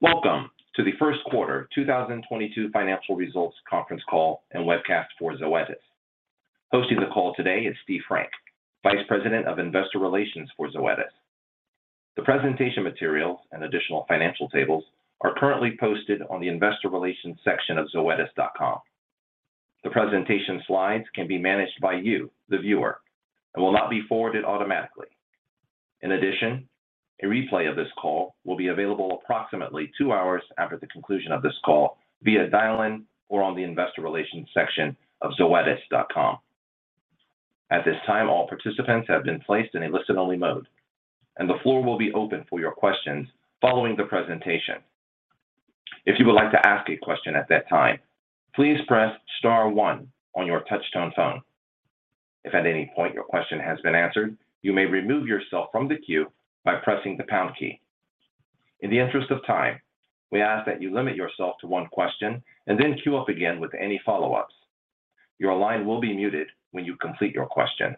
Welcome to the first quarter 2022 financial results conference call and webcast for Zoetis. Hosting the call today is Steve Frank, Vice President of Investor Relations for Zoetis. The presentation materials and additional financial tables are currently posted on the Investor Relations section of zoetis.com. The presentation slides can be managed by you, the viewer, and will not be forwarded automatically. In addition, a replay of this call will be available approximately two hours after the conclusion of this call via dial-in or on the Investor Relations section of zoetis.com. At this time, all participants have been placed in a listen-only mode, and the floor will be open for your questions following the presentation. If you would like to ask a question at that time, please press star one on your touch-tone phone. If at any point your question has been answered, you may remove yourself from the queue by pressing the pound key. In the interest of time, we ask that you limit yourself to one question and then queue up again with any follow-ups. Your line will be muted when you complete your question.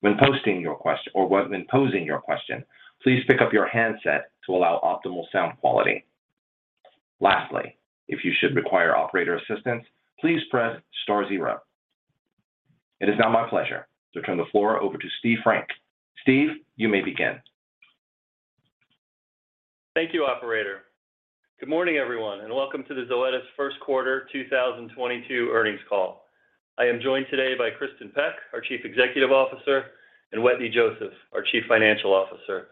When posing your question, please pick up your handset to allow optimal sound quality. Lastly, if you should require operator assistance, please press star zero. It is now my pleasure to turn the floor over to Steve Frank. Steve, you may begin. Thank you, operator. Good morning, everyone, and welcome to the Zoetis first quarter 2022 earnings call. I am joined today by Kristin Peck, our Chief Executive Officer, and Wetteny Joseph, our Chief Financial Officer.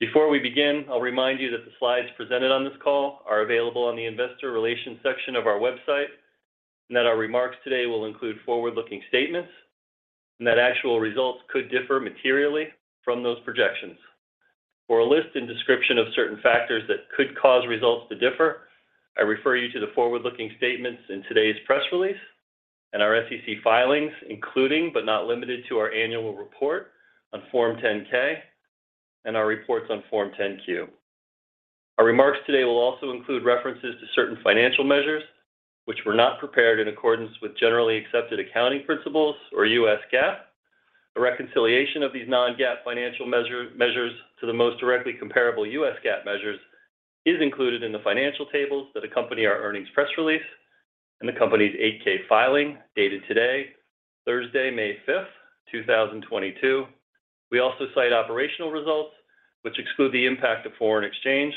Before we begin, I'll remind you that the slides presented on this call are available on the Investor Relations section of our website, and that our remarks today will include forward-looking statements, and that actual results could differ materially from those projections. For a list and description of certain factors that could cause results to differ, I refer you to the forward-looking statements in today's press release and our SEC filings, including, but not limited to our annual report on Form 10-K and our reports on Form 10-Q. Our remarks today will also include references to certain financial measures which were not prepared in accordance with generally accepted accounting principles or U.S. GAAP. A reconciliation of these non-GAAP financial measures to the most directly comparable U.S. GAAP measures is included in the financial tables that accompany our earnings press release and the company's 8-K filing dated today, Thursday, May 5th, 2022. We also cite operational results which exclude the impact of foreign exchange.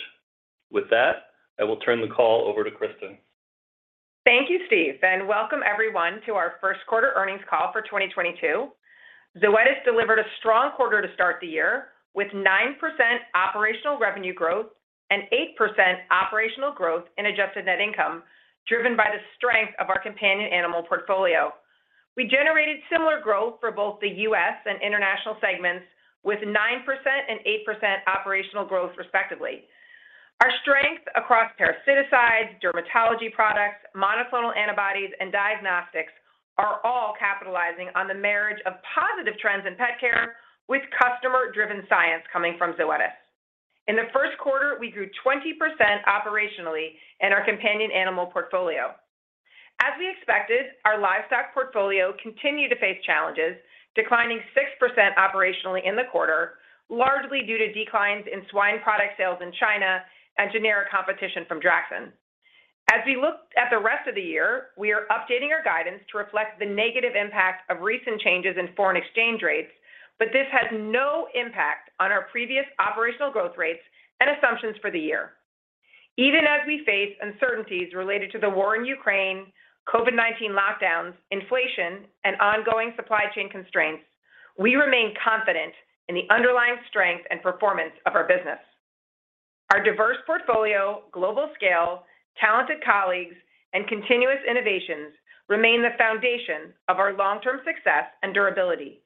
With that, I will turn the call over to Kristin. Thank you, Steve, and welcome everyone to our first quarter earnings call for 2022. Zoetis delivered a strong quarter to start the year with 9% operational revenue growth and 8% operational growth in adjusted net income, driven by the strength of our companion animal portfolio. We generated similar growth for both the U.S. and international segments with 9% and 8% operational growth, respectively. Our strength across parasiticides, dermatology products, monoclonal antibodies, and diagnostics are all capitalizing on the marriage of positive trends in pet care with customer-driven science coming from Zoetis. In the first quarter, we grew 20% operationally in our companion animal portfolio. As we expected, our livestock portfolio continued to face challenges, declining 6% operationally in the quarter, largely due to declines in swine product sales in China and generic competition from Draxxin. As we look at the rest of the year, we are updating our guidance to reflect the negative impact of recent changes in foreign exchange rates, but this has no impact on our previous operational growth rates and assumptions for the year. Even as we face uncertainties related to the war in Ukraine, COVID-19 lockdowns, inflation, and ongoing supply chain constraints, we remain confident in the underlying strength and performance of our business. Our diverse portfolio, global scale, talented colleagues, and continuous innovations remain the foundation of our long-term success and durability,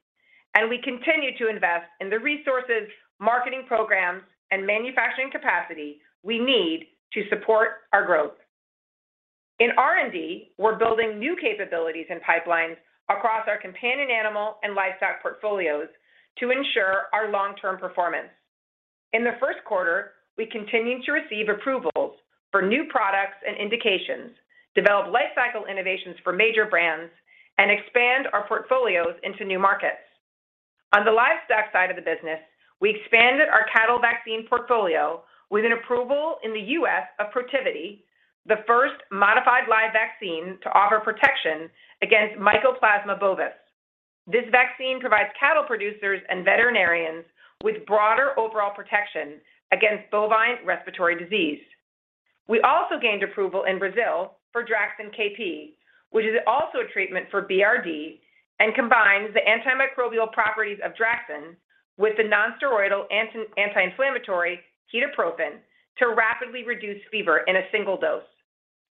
and we continue to invest in the resources, marketing programs, and manufacturing capacity we need to support our growth. In R&D, we're building new capabilities and pipelines across our companion animal and livestock portfolios to ensure our long-term performance. In the first quarter, we continued to receive approvals for new products and indications, develop lifecycle innovations for major brands and expand our portfolios into new markets. On the livestock side of the business, we expanded our cattle vaccine portfolio with an approval in the U.S. of Protivity, the first modified live vaccine to offer protection against Mycoplasma bovis. This vaccine provides cattle producers and veterinarians with broader overall protection against bovine respiratory disease. We also gained approval in Brazil for Draxxin KP, which is also a treatment for BRD and combines the antimicrobial properties of Draxxin with the non-steroidal anti-inflammatory ketoprofen to rapidly reduce fever in a single dose.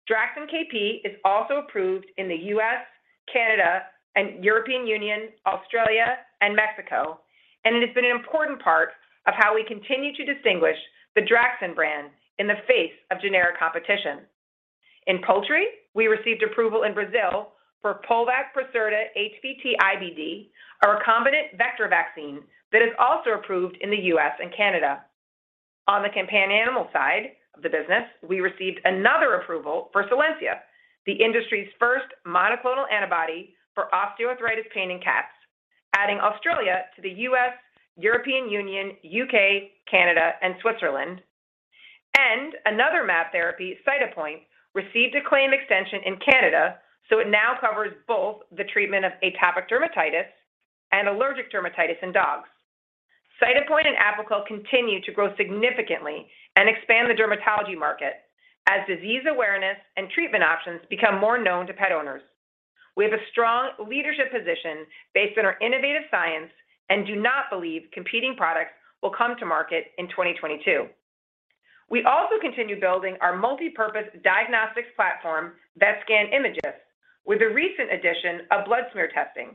Draxxin KP is also approved in the U.S., Canada, and European Union, Australia, and Mexico, and it has been an important part of how we continue to distinguish the Draxxin brand in the face of generic competition. In poultry, we received approval in Brazil for Poulvac Procerta HVT-IBD, our recombinant vector vaccine that is also approved in the U.S. and Canada. On the companion animal side of the business, we received another approval for Solensia, the industry's first monoclonal antibody for osteoarthritis pain in cats. Adding Australia to the U.S., European Union, U.K., Canada and Switzerland. Another mAb therapy, Cytopoint, received a claim extension in Canada, so it now covers both the treatment of atopic dermatitis and allergic dermatitis in dogs. Cytopoint and Apoquel continue to grow significantly and expand the dermatology market as disease awareness and treatment options become more known to pet owners. We have a strong leadership position based on our innovative science and do not believe competing products will come to market in 2022. We also continue building our multipurpose diagnostics platform, VetScan Imagyst with the recent addition of blood smear testing.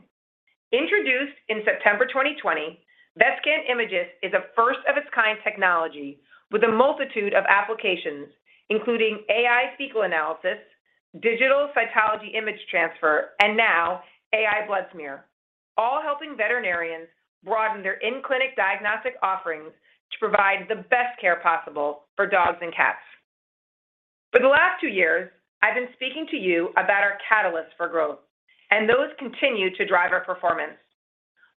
Introduced in September 2020, VetScan Imagyst is a first-of-its-kind technology with a multitude of applications including AI fecal analysis, digital cytology image transfer, and now AI blood smear, all helping veterinarians broaden their in-clinic diagnostic offerings to provide the best care possible for dogs and cats. For the last two years, I've been speaking to you about our catalyst for growth, and those continue to drive our performance.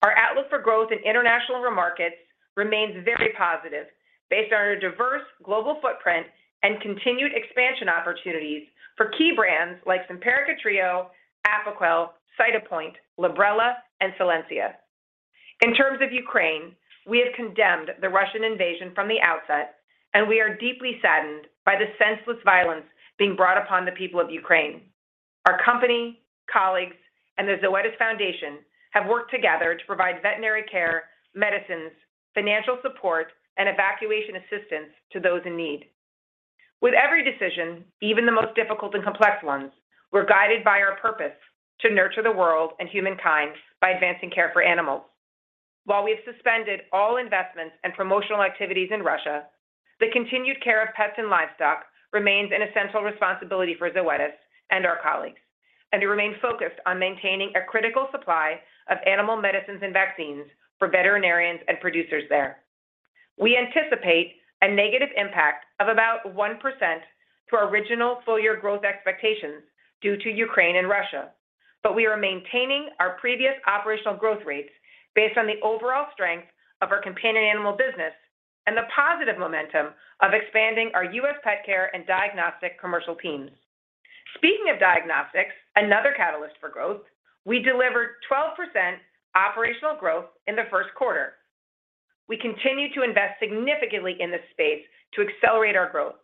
Our outlook for growth in international markets remains very positive based on our diverse global footprint and continued expansion opportunities for key brands like Simparica Trio, Apoquel, Cytopoint, Librela and Solensia. In terms of Ukraine, we have condemned the Russian invasion from the outset, and we are deeply saddened by the senseless violence being brought upon the people of Ukraine. Our company, colleagues and the Zoetis Foundation have worked together to provide veterinary care, medicines, financial support and evacuation assistance to those in need. With every decision, even the most difficult and complex ones, we're guided by our purpose to nurture the world and humankind by advancing care for animals. While we have suspended all investments and promotional activities in Russia, the continued care of pets and livestock remains an essential responsibility for Zoetis and our colleagues, and we remain focused on maintaining a critical supply of animal medicines and vaccines for veterinarians and producers there. We anticipate a negative impact of about 1% to our original full-year growth expectations due to Ukraine and Russia. We are maintaining our previous operational growth rates based on the overall strength of our companion animal business and the positive momentum of expanding our U.S. pet care and diagnostic commercial teams. Speaking of diagnostics, another catalyst for growth, we delivered 12% operational growth in the first quarter. We continue to invest significantly in this space to accelerate our growth.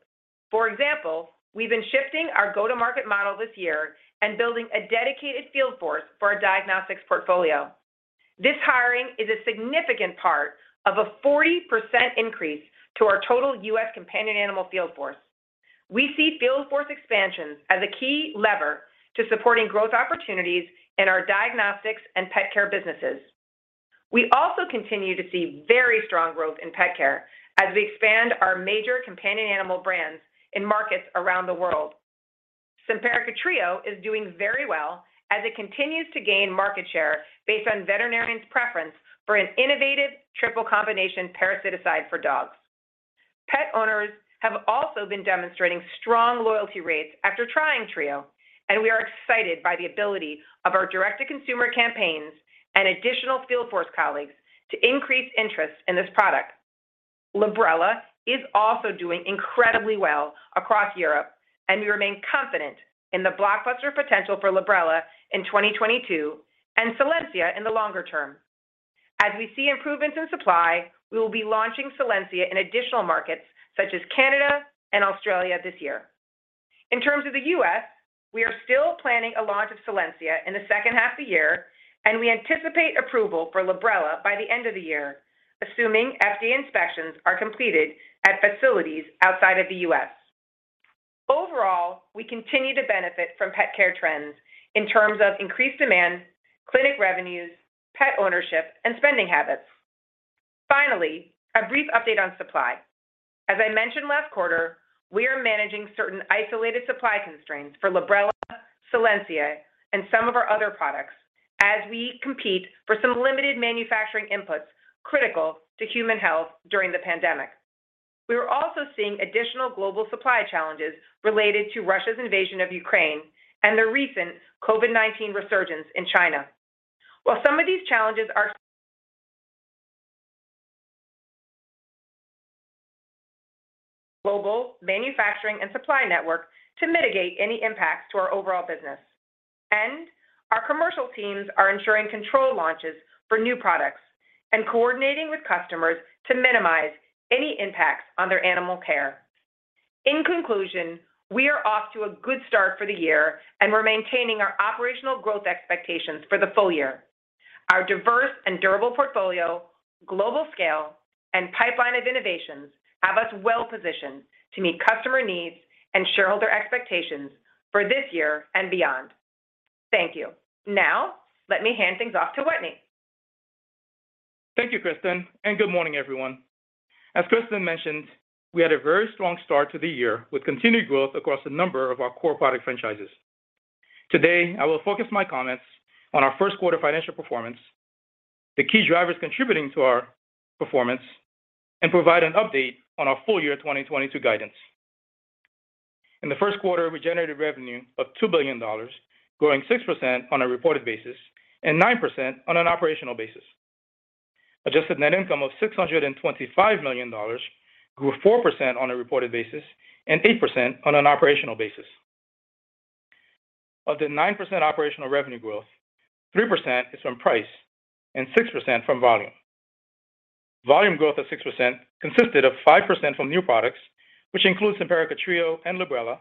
For example, we've been shifting our go-to-market model this year and building a dedicated field force for our diagnostics portfolio. This hiring is a significant part of a 40% increase to our total U.S. companion animal field force. We see field force expansions as a key lever to supporting growth opportunities in our diagnostics and pet care businesses. We also continue to see very strong growth in pet care as we expand our major companion animal brands in markets around the world. Simparica Trio is doing very well as it continues to gain market share based on veterinarians' preference for an innovative triple combination parasiticide for dogs. Pet owners have also been demonstrating strong loyalty rates after trying Trio, and we are excited by the ability of our direct-to-consumer campaigns and additional field force colleagues to increase interest in this product. Librela is also doing incredibly well across Europe, and we remain confident in the blockbuster potential for Librela in 2022 and Solensia in the longer term. As we see improvements in supply, we will be launching Solensia in additional markets such as Canada and Australia this year. In terms of the U.S., we are still planning a launch of Solensia in the second half of the year, and we anticipate approval for Librela by the end of the year assuming FDA inspections are completed at facilities outside of the U.S. Overall, we continue to benefit from pet care trends in terms of increased demand, clinic revenues, pet ownership and spending habits. Finally, a brief update on supply. As I mentioned last quarter, we are managing certain isolated supply constraints for Librela, Solensia and some of our other products as we compete for some limited manufacturing inputs critical to human health during the pandemic. We are also seeing additional global supply challenges related to Russia's invasion of Ukraine and the recent COVID-19 resurgence in China. While some of these challenges, our global manufacturing and supply network to mitigate any impacts to our overall business. Our commercial teams are ensuring controlled launches for new products and coordinating with customers to minimize any impacts on their animal care. In conclusion, we are off to a good start for the year and we're maintaining our operational growth expectations for the full year. Our diverse and durable portfolio, global scale and pipeline of innovations have us well positioned to meet customer needs and shareholder expectations for this year and beyond. Thank you. Now let me hand things off to Wetteny. Thank you, Kristin, and good morning, everyone. As Kristin mentioned, we had a very strong start to the year with continued growth across a number of our core product franchises. Today, I will focus my comments on our first quarter financial performance, the key drivers contributing to our performance, and provide an update on our full year 2022 guidance. In the first quarter, we generated revenue of $2 billion, growing 6% on a reported basis and 9% on an operational basis. Adjusted net income of $625 million grew 4% on a reported basis and 8% on an operational basis. Of the 9% operational revenue growth, 3% is from price and 6% from volume. Volume growth of 6% consisted of 5% from new products, which includes Simparica Trio and Librela,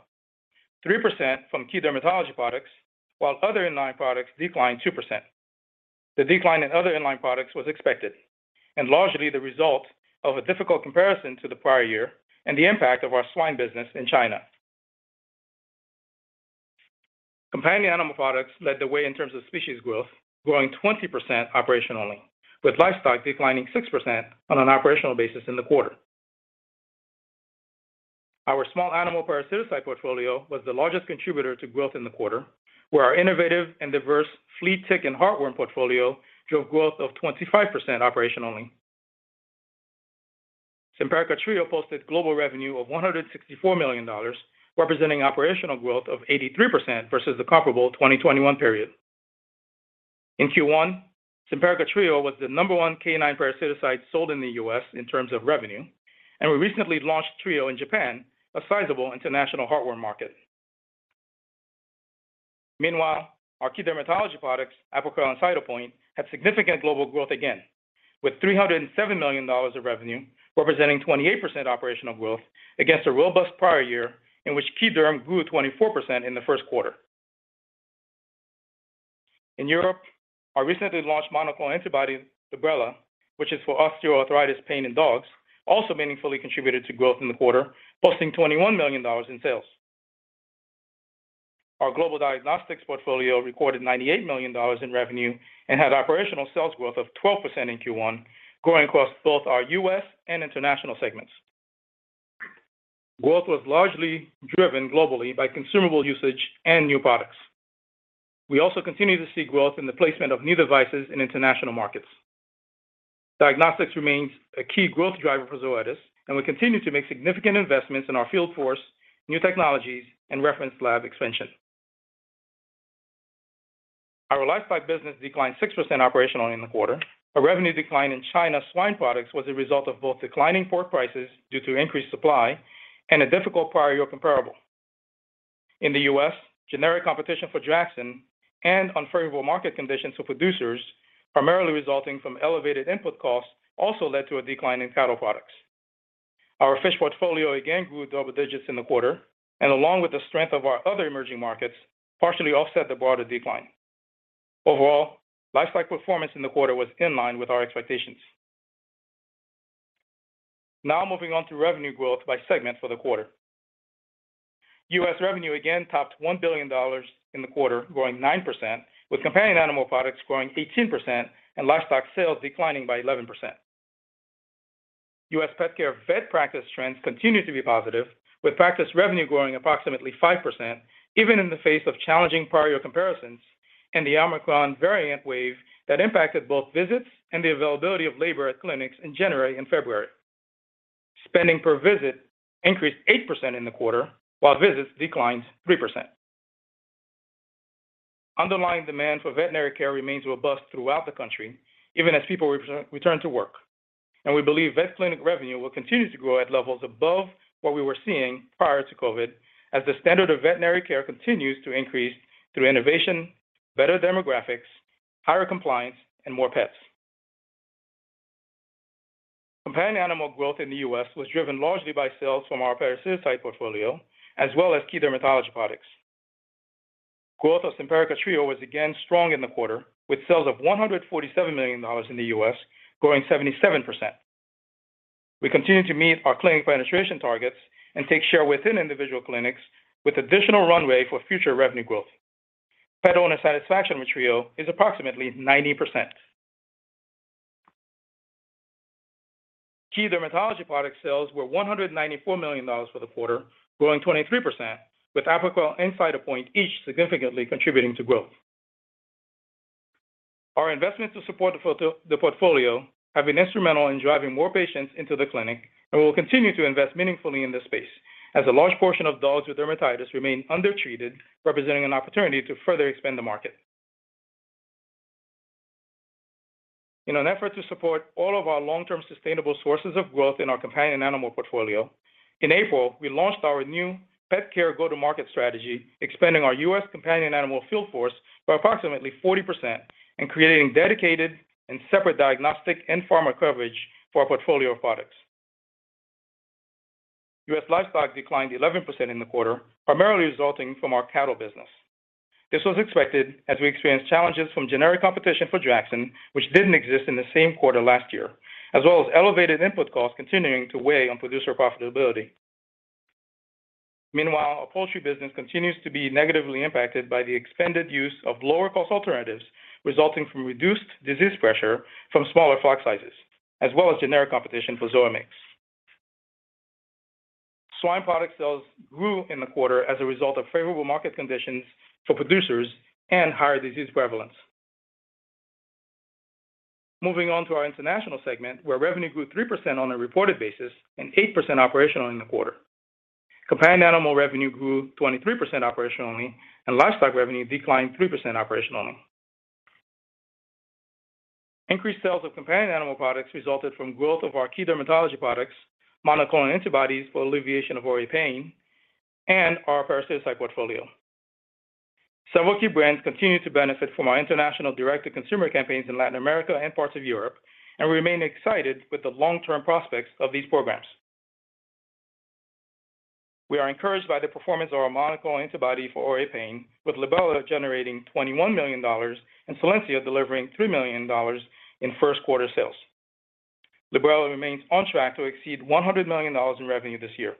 3% from key dermatology products, while other inline products declined 2%. The decline in other inline products was expected and largely the result of a difficult comparison to the prior year and the impact of our swine business in China. Companion animal products led the way in terms of species growth, growing 20% operationally, with livestock declining 6% on an operational basis in the quarter. Our small animal parasiticide portfolio was the largest contributor to growth in the quarter, where our innovative and diverse flea, tick, and heartworm portfolio drove growth of 25% operationally. Simparica Trio posted global revenue of $164 million, representing operational growth of 83% versus the comparable 2021 period. In Q1, Simparica Trio was the number one canine parasiticide sold in the U.S. in terms of revenue, and we recently launched Trio in Japan, a sizable international heartworm market. Meanwhile, our key dermatology products, Apoquel and Cytopoint, had significant global growth again, with $307 million of revenue, representing 28% operational growth against a robust prior year in which key derm grew 24% in the first quarter. In Europe, our recently launched monoclonal antibody, Librela, which is for osteoarthritis pain in dogs, also meaningfully contributed to growth in the quarter, posting $21 million in sales. Our global diagnostics portfolio recorded $98 million in revenue and had operational sales growth of 12% in Q1, growing across both our U.S. and international segments. Growth was largely driven globally by consumable usage and new products. We also continue to see growth in the placement of new devices in international markets. Diagnostics remains a key growth driver for Zoetis, and we continue to make significant investments in our field force, new technologies, and reference lab expansion. Our lifestyle business declined 6% operationally in the quarter. A revenue decline in China swine products was a result of both declining pork prices due to increased supply and a difficult prior-year comparable. In the U.S., generic competition for Draxxin and unfavorable market conditions for producers, primarily resulting from elevated input costs, also led to a decline in cattle products. Our fish portfolio again grew double digits in the quarter, and along with the strength of our other emerging markets, partially offset the broader decline. Overall, lifestyle performance in the quarter was in line with our expectations. Now moving on to revenue growth by segment for the quarter. U.S. revenue again topped $1 billion in the quarter, growing 9%, with companion animal products growing 18% and livestock sales declining by 11%. U.S. pet care vet practice trends continued to be positive, with practice revenue growing approximately 5%, even in the face of challenging prior-year comparisons and the Omicron variant wave that impacted both visits and the availability of labor at clinics in January and February. Spending per visit increased 8% in the quarter, while visits declined 3%. Underlying demand for veterinary care remains robust throughout the country, even as people return to work. We believe vet clinic revenue will continue to grow at levels above what we were seeing prior to COVID, as the standard of veterinary care continues to increase through innovation, better demographics, higher compliance, and more pets. Companion animal growth in the U.S. was driven largely by sales from our parasiticide portfolio, as well as key dermatology products. Growth of Simparica Trio was again strong in the quarter, with sales of $147 million in the U.S., growing 77%. We continue to meet our clinic penetration targets and take share within individual clinics with additional runway for future revenue growth. Pet owner satisfaction with Trio is approximately 90%. Key dermatology product sales were $194 million for the quarter, growing 23%, with Apoquel and Cytopoint each significantly contributing to growth. Our investments to support the portfolio have been instrumental in driving more patients into the clinic and will continue to invest meaningfully in this space, as a large portion of dogs with dermatitis remain undertreated, representing an opportunity to further expand the market. In an effort to support all of our long-term sustainable sources of growth in our companion animal portfolio, in April, we launched our new pet care go-to-market strategy, expanding our U.S. companion animal field force by approximately 40% and creating dedicated and separate diagnostic and pharma coverage for our portfolio of products. U.S. livestock declined 11% in the quarter, primarily resulting from our cattle business. This was expected as we experienced challenges from generic competition for Draxxin, which didn't exist in the same quarter last year, as well as elevated input costs continuing to weigh on producer profitability. Meanwhile, our poultry business continues to be negatively impacted by the expanded use of lower-cost alternatives resulting from reduced disease pressure from smaller flock sizes, as well as generic competition for Zoamix. Swine product sales grew in the quarter as a result of favorable market conditions for producers and higher disease prevalence. Moving on to our international segment, where revenue grew 3% on a reported basis and 8% operationally in the quarter. Companion animal revenue grew 23% operationally, and livestock revenue declined 3% operationally. Increased sales of companion animal products resulted from growth of our key dermatology products, monoclonal antibodies for alleviation of OA pain, and our parasiticide portfolio. Several key brands continue to benefit from our international direct-to-consumer campaigns in Latin America and parts of Europe, and we remain excited with the long-term prospects of these programs. We are encouraged by the performance of our monoclonal antibody for OA pain, with Librela generating $21 million and Solensia delivering $3 million in first-quarter sales. Librela remains on track to exceed $100 million in revenue this year.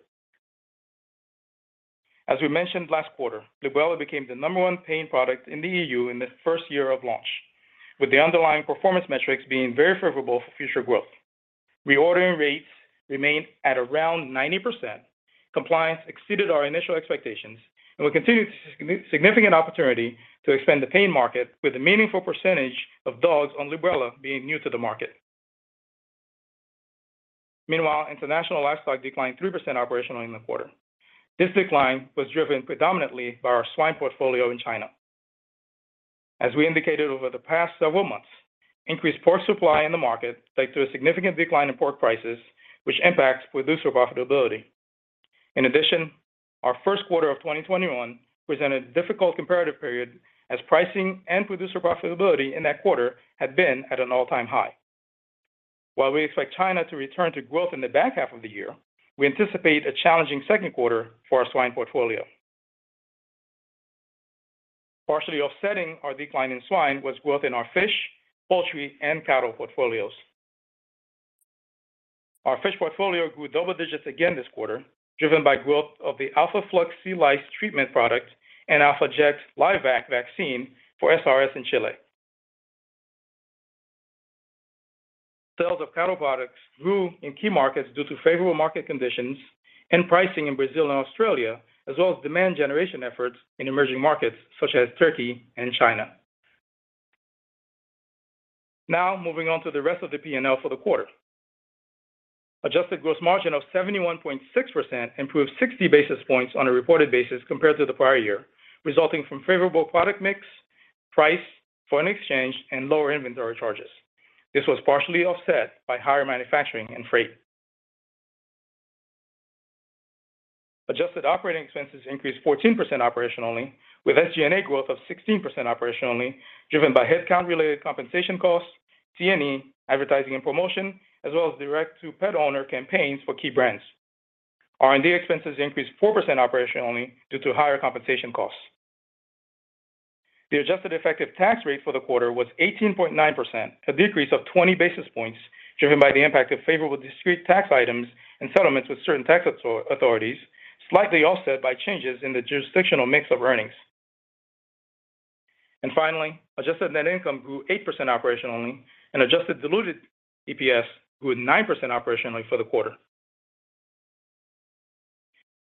As we mentioned last quarter, Librela became the number one pain product in the EU in the first year of launch, with the underlying performance metrics being very favorable for future growth. Reordering rates remain at around 90%. Compliance exceeded our initial expectations, and we continue to see significant opportunity to expand the pain market with a meaningful percentage of dogs on Librela being new to the market. Meanwhile, international livestock declined 3% operationally in the quarter. This decline was driven predominantly by our swine portfolio in China. As we indicated over the past several months, increased pork supply in the market led to a significant decline in pork prices, which impacts producer profitability. In addition, our first quarter of 2021 presented a difficult comparative period as pricing and producer profitability in that quarter had been at an all-time high. While we expect China to return to growth in the back half of the year, we anticipate a challenging second quarter for our swine portfolio. Partially offsetting our decline in swine was growth in our fish, poultry, and cattle portfolios. Our fish portfolio grew double digits again this quarter, driven by growth of the Alpha Flux sea lice treatment product and ALPHA JECT LiVac vaccine for SRS in Chile. Sales of cattle products grew in key markets due to favorable market conditions and pricing in Brazil and Australia, as well as demand generation efforts in emerging markets such as Turkey and China. Now moving on to the rest of the P&L for the quarter. Adjusted gross margin of 71.6% improved 60 basis points on a reported basis compared to the prior year, resulting from favorable product mix, price, foreign exchange, and lower inventory charges. This was partially offset by higher manufacturing and freight. Adjusted operating expenses increased 14% operationally, with SG&A growth of 16% operationally driven by headcount-related compensation costs, T&E, advertising and promotion, as well as direct-to-pet owner campaigns for key brands. R&D expenses increased 4% operationally due to higher compensation costs. The adjusted effective tax rate for the quarter was 18.9%, a decrease of 20 basis points driven by the impact of favorable discrete tax items and settlements with certain tax authorities, slightly offset by changes in the jurisdictional mix of earnings. Finally, adjusted net income grew 8% operationally and adjusted diluted EPS grew at 9% operationally for the quarter.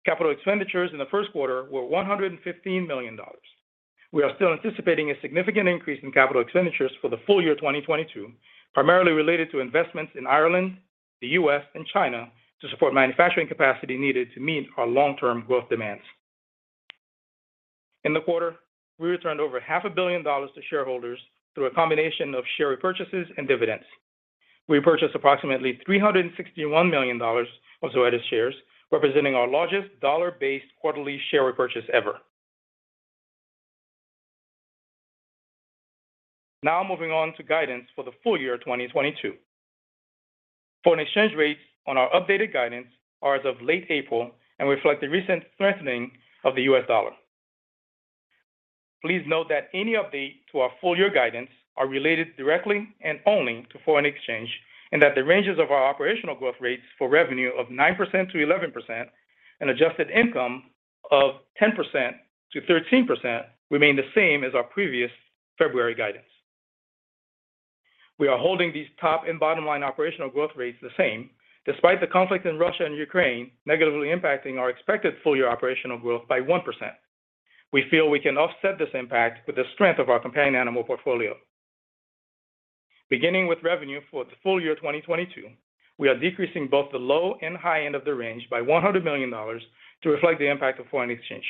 Capital expenditures in the first quarter were $115 million. We are still anticipating a significant increase in capital expenditures for the full year 2022, primarily related to investments in Ireland, the U.S., and China to support manufacturing capacity needed to meet our long-term growth demands. In the quarter, we returned over half a billion dollars to shareholders through a combination of share repurchases and dividends. We purchased approximately $361 million of Zoetis shares, representing our largest dollar-based quarterly share repurchase ever. Now moving on to guidance for the full year 2022. Foreign exchange rates on our updated guidance are as of late April and reflect the recent strengthening of the U.S. dollar. Please note that any update to our full-year guidance are related directly and only to foreign exchange, and that the ranges of our operational growth rates for revenue of 9%-11% and adjusted income of 10%-13% remain the same as our previous February guidance. We are holding these top and bottom-line operational growth rates the same despite the conflict in Russia and Ukraine negatively impacting our expected full-year operational growth by 1%. We feel we can offset this impact with the strength of our companion animal portfolio. Beginning with revenue for the full year 2022, we are decreasing both the low and high end of the range by $100 million to reflect the impact of foreign exchange.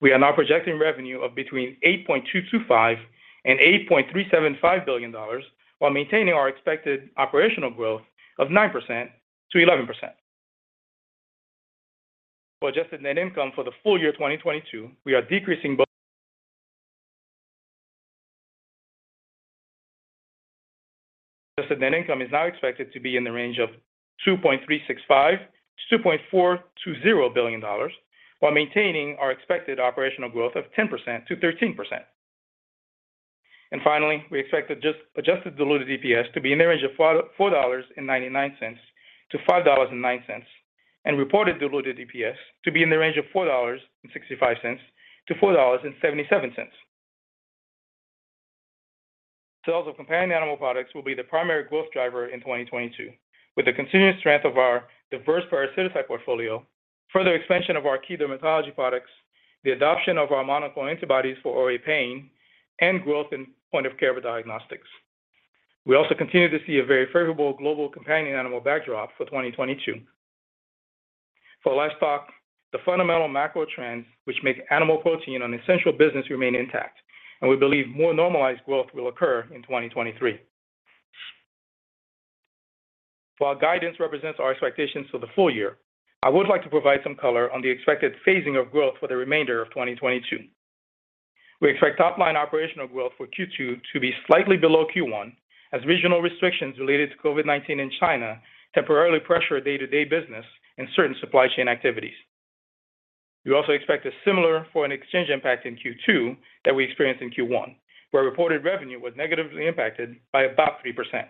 We are now projecting revenue of between $8.225 billion and $8.375 billion while maintaining our expected operational growth of 9%-11%. For adjusted net income for the full year 2022, adjusted net income is now expected to be in the range of $2.365 billion-$2.420 billion while maintaining our expected operational growth of 10%-13%. Finally, we expect adjusted diluted EPS to be in the range of $4.99-$5.09, and reported diluted EPS to be in the range of $4.65-$4.77. Sales of companion animal products will be the primary growth driver in 2022 with the continuous strength of our diverse parasiticide portfolio, further expansion of our key dermatology products. The adoption of our monoclonal antibodies for OA pain and growth in point-of-care diagnostics. We also continue to see a very favorable global companion animal backdrop for 2022. For livestock, the fundamental macro trends which make animal protein an essential business remain intact, and we believe more normalized growth will occur in 2023. While guidance represents our expectations for the full year, I would like to provide some color on the expected phasing of growth for the remainder of 2022. We expect top-line operational growth for Q2 to be slightly below Q1 as regional restrictions related to COVID-19 in China temporarily pressure day-to-day business and certain supply chain activities. We also expect a similar foreign exchange impact in Q2 that we experienced in Q1, where reported revenue was negatively impacted by about 3%.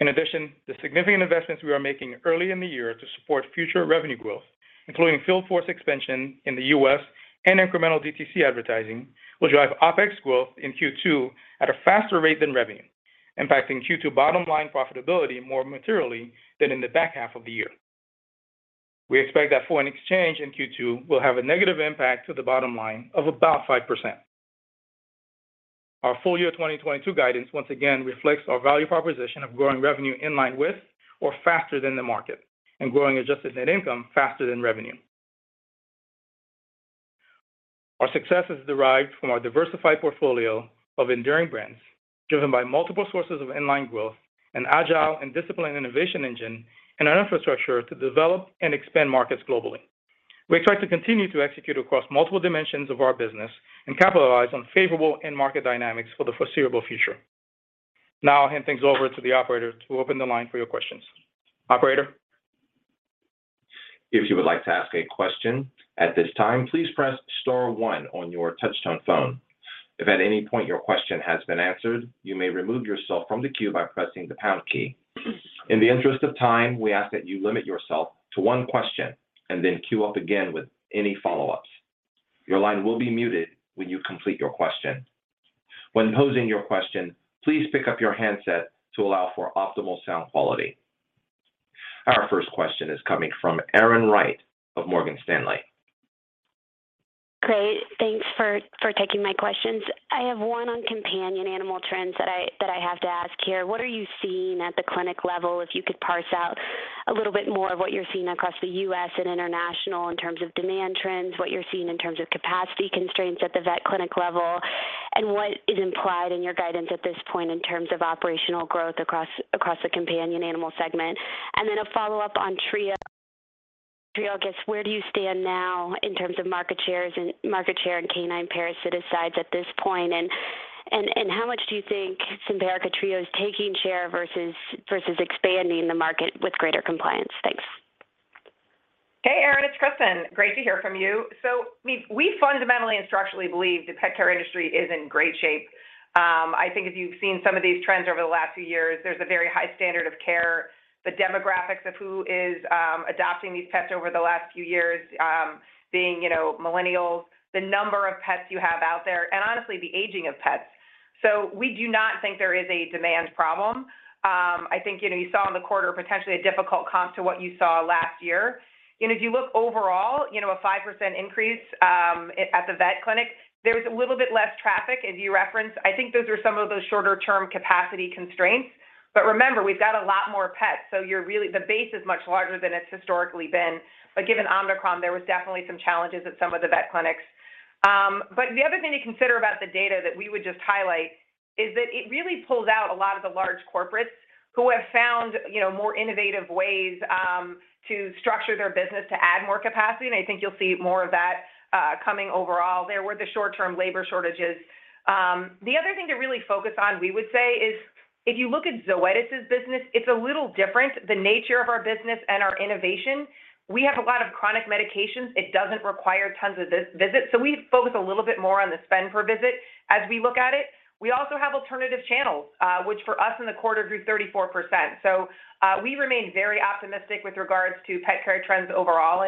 In addition, the significant investments we are making early in the year to support future revenue growth, including field force expansion in the U.S. and incremental DTC advertising, will drive OpEx growth in Q2 at a faster rate than revenue, impacting Q2 bottom-line profitability more materially than in the back half of the year. We expect that foreign exchange in Q2 will have a negative impact to the bottom line of about 5%. Our full-year 2022 guidance once again reflects our value proposition of growing revenue in line with or faster than the market and growing adjusted net income faster than revenue. Our success is derived from our diversified portfolio of enduring brands driven by multiple sources of in-line growth, an agile and disciplined innovation engine, and our infrastructure to develop and expand markets globally. We expect to continue to execute across multiple dimensions of our business and capitalize on favorable end-market dynamics for the foreseeable future. Now I'll hand things over to the operator to open the line for your questions. Operator? If you would like to ask a question at this time, please press star one on your touch-tone phone. If at any point your question has been answered, you may remove yourself from the queue by pressing the pound key. In the interest of time, we ask that you limit yourself to one question and then queue up again with any follow-ups. Your line will be muted when you complete your question. When posing your question, please pick up your handset to allow for optimal sound quality. Our first question is coming from Erin Wright of Morgan Stanley. Great. Thanks for taking my questions. I have one on companion animal trends that I have to ask here. What are you seeing at the clinic level? If you could parse out a little bit more of what you're seeing across the U.S. and international in terms of demand trends, what you're seeing in terms of capacity constraints at the vet clinic level, and what is implied in your guidance at this point in terms of operational growth across the companion animal segment. Then a follow-up on Trio. I guess, where do you stand now in terms of market shares and market share in canine parasiticides at this point and how much do you think Simparica Trio is taking share versus expanding the market with greater compliance? Thanks. Hey, Erin, it's Kristin. Great to hear from you. We fundamentally and structurally believe the pet care industry is in great shape. I think if you've seen some of these trends over the last few years, there's a very high standard of care. The demographics of who is adopting these pets over the last few years being, you know, millennials. The number of pets you have out there, and honestly, the aging of pets. We do not think there is a demand problem. I think, you know, you saw in the quarter potentially a difficult comp to what you saw last year. You know, if you look overall, you know, a 5% increase, at the vet clinic, there was a little bit less traffic as you referenced. I think those are some of those shorter-term capacity constraints. Remember, we've got a lot more pets, so the base is much larger than it's historically been. Given Omicron, there was definitely some challenges at some of the vet clinics. The other thing to consider about the data that we would just highlight is that it really pulls out a lot of the large corporates who have found, you know, more innovative ways to structure their business to add more capacity. I think you'll see more of that coming overall. There were the short-term labor shortages. The other thing to really focus on, we would say, is if you look at Zoetis' business, it's a little different, the nature of our business and our innovation. We have a lot of chronic medications. It doesn't require tons of this visit. We focus a little bit more on the spend per visit as we look at it. We also have alternative channels, which for us in the quarter grew 34%. We remain very optimistic with regards to pet care trends overall.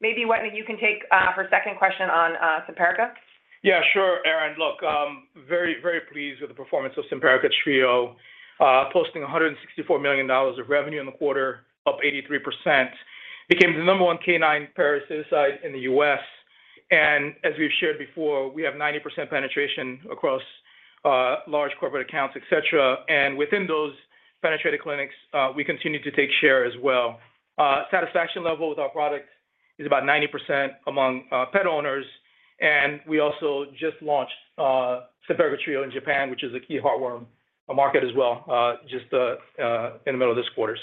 Maybe, Wetteny, you can take her second question on Simparica? Yeah, sure, Erin. Look, very, very pleased with the performance of Simparica Trio, posting $164 million of revenue in the quarter, up 83%. Became the number one canine parasiticides in the U.S. As we've shared before, we have 90% penetration across large corporate accounts, et cetera. Within those penetrated clinics, we continue to take share as well. Satisfaction level with our product is about 90% among pet owners. We also just launched Simparica Trio in Japan, which is a key heartworm market as well, just in the middle of this quarter.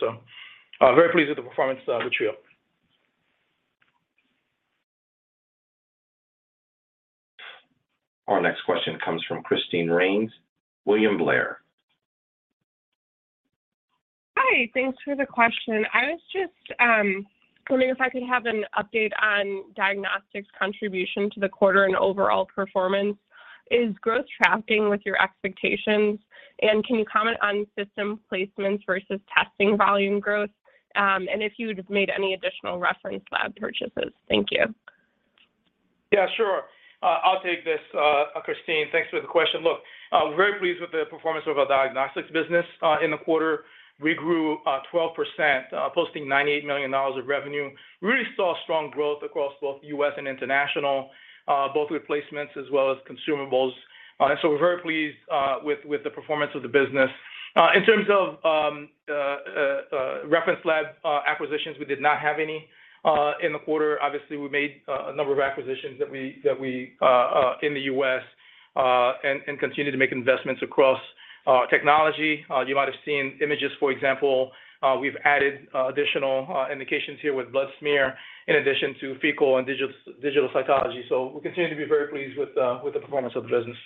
Very pleased with the performance of the Trio. Our next question comes from Christine Rains, William Blair. Hi. Thanks for the question. I was just wondering if I could have an update on diagnostics contribution to the quarter and overall performance. Is growth tracking with your expectations? Can you comment on system placements versus testing volume growth, and if you'd made any additional reference lab purchases? Thank you. Yeah, sure. I'll take this, Christine. Thanks for the question. Look, we're very pleased with the performance of our diagnostics business. In the quarter, we grew 12%, posting $98 million of revenue. Really saw strong growth across both U.S. and international, both replacements as well as consumables. We're very pleased with the performance of the business. In terms of reference lab acquisitions, we did not have any in the quarter. Obviously, we made a number of acquisitions in the U.S. and continue to make investments across technology. You might have seen Imagyst, for example. We've added additional indications here with blood smear in addition to fecal and digital cytology. We continue to be very pleased with the performance of the business.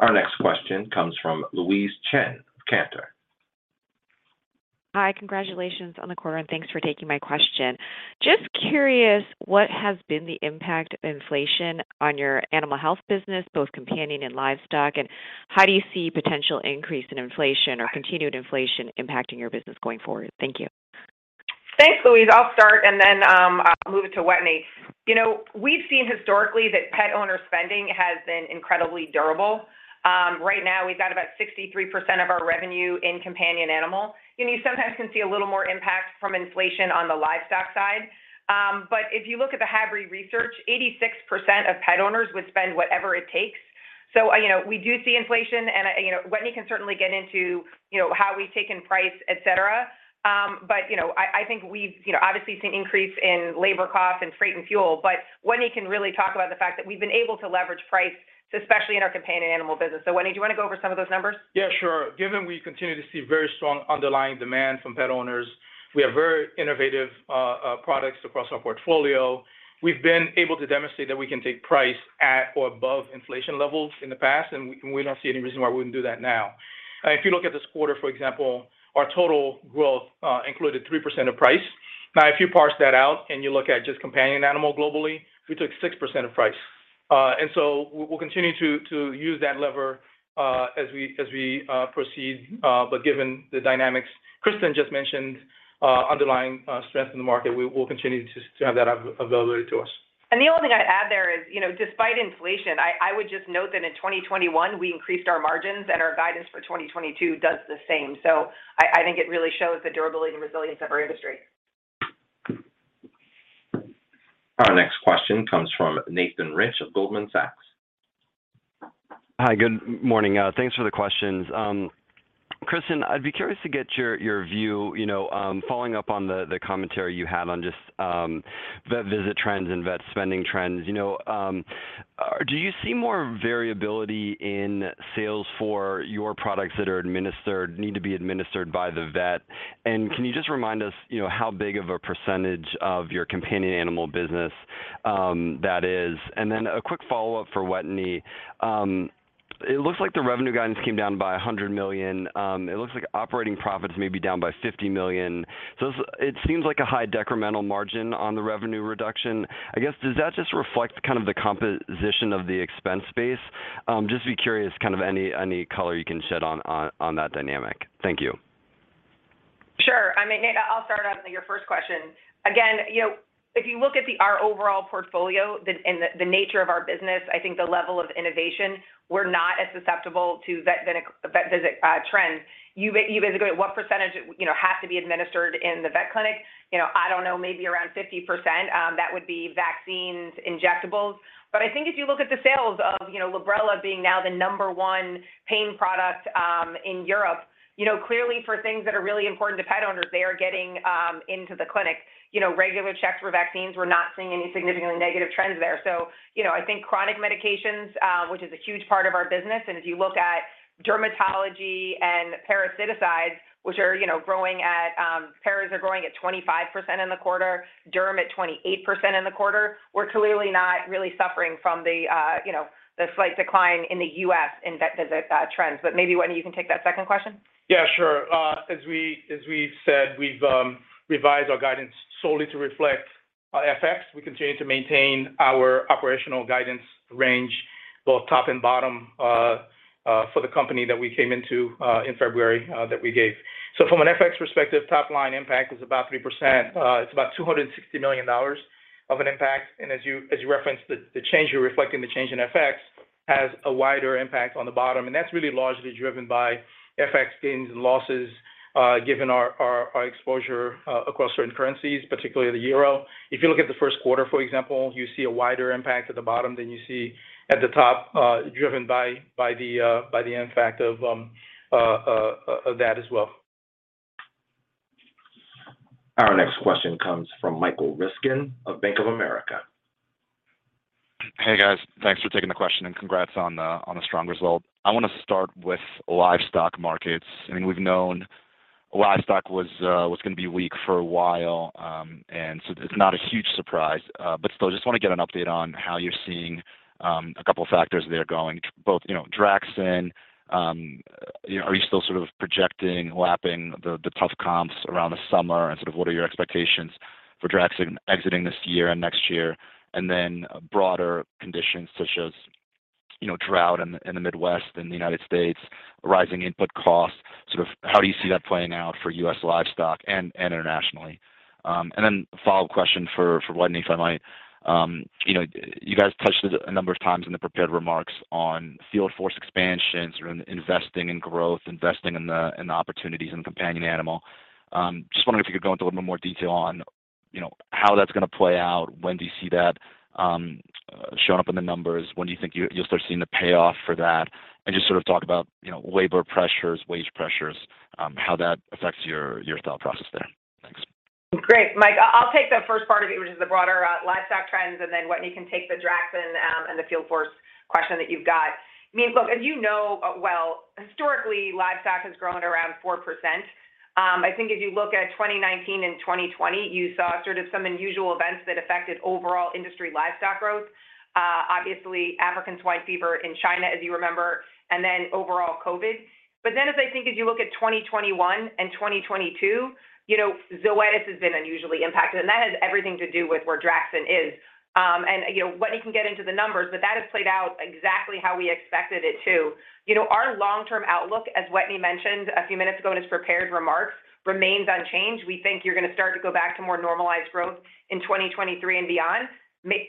Our next question comes from Louise Chen of Cantor. Hi, congratulations on the quarter, and thanks for taking my question. Just curious, what has been the impact of inflation on your animal health business, both companion and livestock? How do you see potential increase in inflation or continued inflation impacting your business going forward? Thank you. Thanks, Louise. I'll start, and then I'll move it to Wetteny. You know, we've seen historically that pet owner spending has been incredibly durable. Right now we've got about 63% of our revenue in companion animal. You know, you sometimes can see a little more impact from inflation on the livestock side. But if you look at the HABRI research, 86% of pet owners would spend whatever it takes. You know, we do see inflation and Wetteny can certainly get into how we've taken price, et cetera. But I think we've obviously seen increase in labor costs and freight and fuel, but Wetteny can really talk about the fact that we've been able to leverage price, especially in our companion animal business. Wetteny, do you want to go over some of those numbers? Yeah, sure. Given we continue to see very strong underlying demand from pet owners, we have very innovative products across our portfolio. We've been able to demonstrate that we can take price at or above inflation levels in the past, and we don't see any reason why we wouldn't do that now. If you look at this quarter, for example, our total growth included 3% of price. Now, if you parse that out and you look at just companion animal globally, we took 6% of price. We'll continue to use that lever as we proceed, but given the dynamics Kristin just mentioned, underlying strength in the market, we will continue to have that available to us. The only thing I'd add there is, you know, despite inflation, I would just note that in 2021, we increased our margins and our guidance for 2022 does the same. I think it really shows the durability and resilience of our industry. Our next question comes from Nathan Rich of Goldman Sachs. Hi, good morning. Thanks for the questions. Kristin, I'd be curious to get your view, you know, following up on the commentary you had on just vet visit trends and vet spending trends. You know, do you see more variability in sales for your products that need to be administered by the vet? And can you just remind us, you know, how big of a percentage of your companion animal business that is? And then a quick follow-up for Wetteny. It looks like the revenue guidance came down by $100 million. It looks like operating profits may be down by $50 million. It seems like a high decremental margin on the revenue reduction. I guess, does that just reflect kind of the composition of the expense base? Just be curious, kind of any color you can shed on that dynamic? Thank you. Sure. I mean, Nate, I'll start on your first question. Again, you know, if you look at our overall portfolio and the nature of our business, I think the level of innovation, we're not as susceptible to vet visit trends. You basically, what percentage, you know, has to be administered in the vet clinic? You know, I don't know, maybe around 50%, that would be vaccines, injectables. But I think if you look at the sales of, you know, Librela being now the number one pain product in Europe, you know, clearly for things that are really important to pet owners, they are getting into the clinic. You know, regular checks for vaccines, we're not seeing any significantly negative trends there. You know, I think chronic medications, which is a huge part of our business, and if you look at dermatology and parasiticides, which are, you know, growing at, paras are growing at 25% in the quarter, derm at 28% in the quarter. We're clearly not really suffering from the, you know, the slight decline in the U.S. in vet visit trends. Maybe, Wetteny, you can take that second question. Yeah, sure. As we've said, we've revised our guidance solely to reflect FX. We continue to maintain our operational guidance range, both top and bottom, for the company that we came into in February that we gave. From an FX perspective, top-line impact is about 3%. It's about $260 million of an impact. As you referenced, the change in FX has a wider impact on the bottom. That's really largely driven by FX gains and losses, given our exposure across certain currencies, particularly the euro. If you look at the first quarter, for example, you see a wider impact at the bottom than you see at the top, driven by the impact of that as well. Our next question comes from Michael Ryskin of Bank of America. Hey, guys. Thanks for taking the question and congrats on a strong result. I want to start with livestock markets. I mean, we've known livestock was going to be weak for a while, and so it's not a huge surprise. But still, just want to get an update on how you're seeing a couple of factors there going both, you know, Draxxin, are you still sort of projecting lapping the tough comps around the summer, and sort of what are your expectations for Draxxin exiting this year and next year? And then broader conditions such as you know, drought in the Midwest and the United States, rising input costs, sort of how do you see that playing out for U.S. livestock and internationally? And then a follow-up question for Wetteny, if I might. You know, you guys touched a number of times in the prepared remarks on field force expansion, sort of investing in growth, investing in the opportunities in companion animal. Just wondering if you could go into a little more detail on, you know, how that's going to play out? When do you see that showing up in the numbers? When do you think you'll start seeing the payoff for that? And just sort of talk about, you know, labor pressures, wage pressures, how that affects your thought process there. Thanks. Great. Michael, I'll take that first part of it, which is the broader livestock trends, and then Wetteny can take the Draxxin and the field force question that you've got. I mean, look, as you know well, historically, livestock has grown at around 4%. I think if you look at 2019 and 2020, you saw sort of some unusual events that affected overall industry livestock growth. Obviously, African swine fever in China, as you remember, and then overall COVID. As I think as you look at 2021 and 2022, you know, Zoetis has been unusually impacted, and that has everything to do with where Draxxin is. And you know, Wetteny can get into the numbers, but that has played out exactly how we expected it to. You know, our long-term outlook, as Wetteny mentioned a few minutes ago in his prepared remarks, remains unchanged. We think you're going to start to go back to more normalized growth in 2023 and beyond.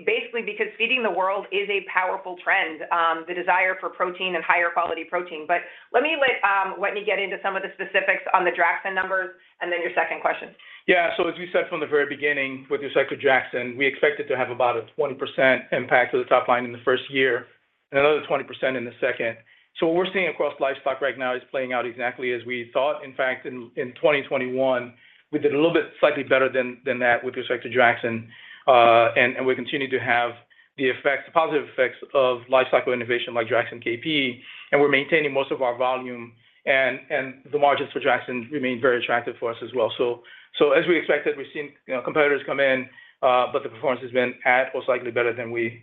Basically, because feeding the world is a powerful trend, the desire for protein and higher quality protein. Let me let Wetteny get into some of the specifics on the Draxxin numbers and then your second question. Yeah. As we said from the very beginning with respect to Draxxin, we expect it to have about a 20% impact to the top line in the first year and another 20% in the second. What we're seeing across livestock right now is playing out exactly as we thought. In fact, in 2021, we did a little bit slightly better than that with respect to Draxxin. We continue to have the effects, the positive effects of lifecycle innovation like Draxxin KP, and we're maintaining most of our volume and the margins for Draxxin remain very attractive for us as well. As we expected, we've seen, you know, competitors come in, but the performance has been actually most likely better than we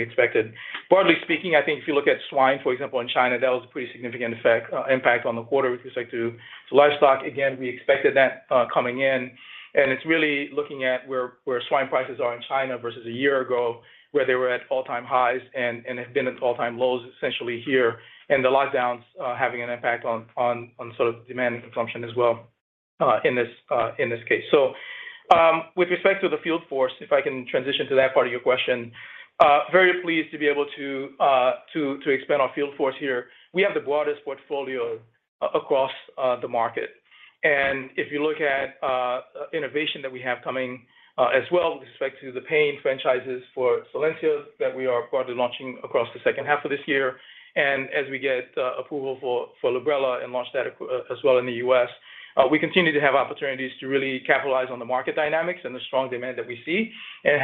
expected. Broadly speaking, I think if you look at swine, for example, in China, that was a pretty significant effect, impact on the quarter with respect to livestock. Again, we expected that, coming in, and it's really looking at where swine prices are in China versus a year ago, where they were at all-time highs and have been at all-time lows essentially here. The lockdowns having an impact on sort of demand and consumption as well, in this case. With respect to the field force, if I can transition to that part of your question, very pleased to be able to to expand our field force here. We have the broadest portfolio across the market. If you look at innovation that we have coming as well with respect to the pain franchises for Solensia that we are broadly launching across the second half of this year. As we get approval for Librela and launch that as well in the U.S., we continue to have opportunities to really capitalize on the market dynamics and the strong demand that we see and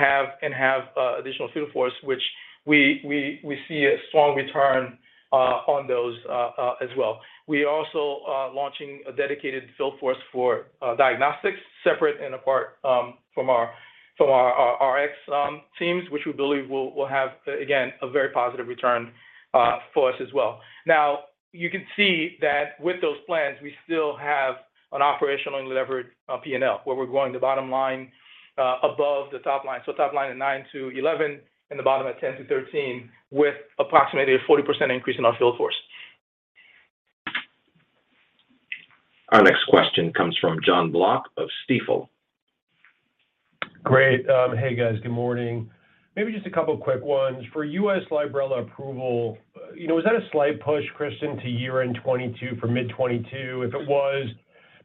have additional field force, which we see a strong return on those as well. We also launching a dedicated field force for diagnostics separate and apart from our Rx teams, which we believe will have again a very positive return for us as well. Now, you can see that with those plans, we still have an operational and levered P&L, where we're growing the bottom line above the top line. Top line at 9%-11% and the bottom at 10%-13% with approximately a 40% increase in our field force. Our next question comes from Jon Block of Stifel. Great. Hey, guys. Good morning. Maybe just a couple of quick ones. For U.S. Librela approval, you know, was that a slight push, Kristin, to year-end 2022 from mid-2022? If it was,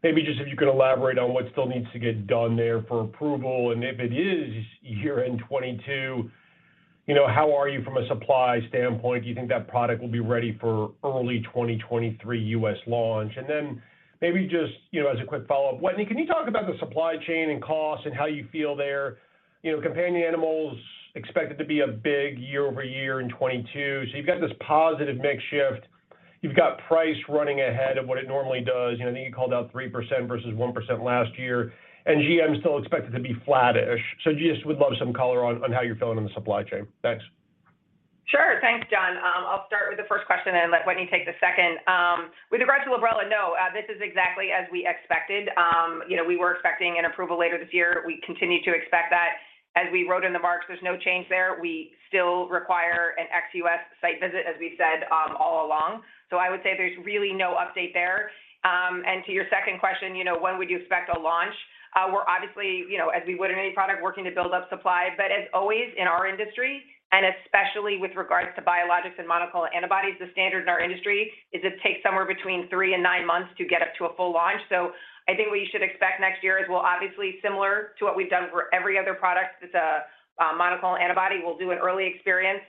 maybe just if you could elaborate on what still needs to get done there for approval, and if it is year-end 2022, you know, how are you from a supply standpoint? Do you think that product will be ready for early 2023 U.S. launch? And then maybe just, you know, as a quick follow-up, Wetteny, can you talk about the supply chain and costs and how you feel there? You know, companion animals expected to be a big year-over-year in 2022, so you've got this positive mix shift. You've got price running ahead of what it normally does. You know, I think you called out 3% versus 1% last year, and GM is still expected to be flattish. Just would love some color on how you're feeling on the supply chain. Thanks. Sure. Thanks, Jon. I'll start with the first question and let Wetteny take the second. With regard to Librela, no, this is exactly as we expected. You know, we were expecting an approval later this year. We continue to expect that. As we wrote in the remarks, there's no change there. We still require an ex-U.S. site visit, as we said, all along. I would say there's really no update there. To your second question, you know, when would you expect a launch? We're obviously, you know, as we would in any product, working to build up supply. But as always in our industry, and especially with regards to biologics and monoclonal antibodies, the standard in our industry is it takes somewhere between three and nine months to get up to a full launch. I think what you should expect next year is, well, obviously similar to what we've done for every other product. It's a monoclonal antibody. We'll do an early experience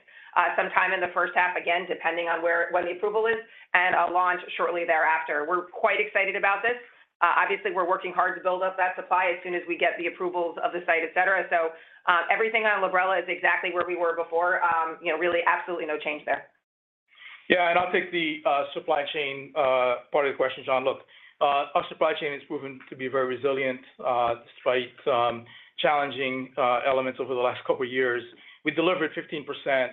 sometime in the first half, again, depending on when the approval is, and a launch shortly thereafter. We're quite excited about this. Obviously, we're working hard to build up that supply as soon as we get the approvals of the site, et cetera. Everything on Librela is exactly where we were before. You know, really, absolutely no change there. I'll take the supply chain part of the question, Jon. Look, our supply chain has proven to be very resilient, despite some challenging elements over the last couple of years. We delivered 15%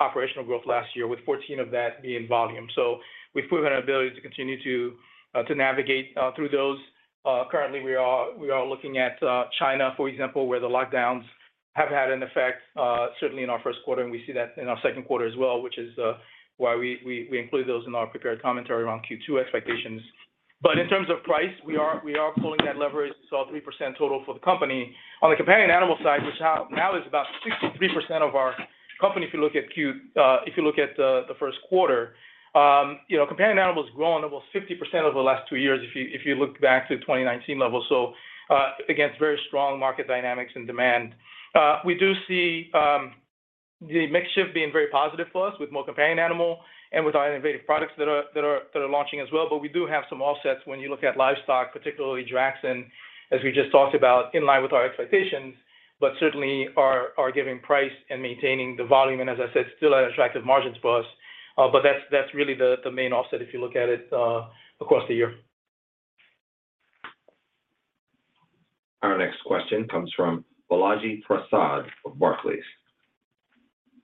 operational growth last year, with 14 of that being volume. We've proven our ability to continue to navigate through those. Currently, we are looking at China, for example, where the lockdowns have had an effect, certainly in our first quarter, and we see that in our second quarter as well, which is why we include those in our prepared commentary around Q2 expectations. In terms of price, we are pulling that leverage. 3% total for the company. On the companion animal side, which now is about 63% of our company, if you look at the first quarter, you know, companion animal has grown almost 50% over the last two years, if you look back to 2019 levels. Against very strong market dynamics and demand. We do see the mix shift being very positive for us with more companion animal and with our innovative products that are launching as well. We do have some offsets when you look at livestock, particularly Draxxin, as we just talked about, in line with our expectations, but certainly are giving price and maintaining the volume, and as I said, still at attractive margins for us. That's really the main offset if you look at it across the year. Our next question comes from Balaji Prasad of Barclays.